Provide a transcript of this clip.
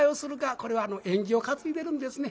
これはあの縁起を担いでるんですね。